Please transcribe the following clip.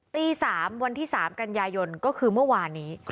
ตี๓วันที่๓กันยายนก็คือเมื่อวานนี้